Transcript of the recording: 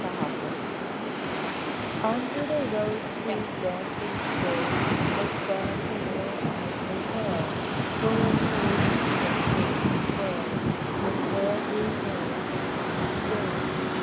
LE PANNEAU UNDER the rose tree's dancing shade There stands a little ivory girl, Pulling the leaves of pink and pearl With pale green nails of polished jade.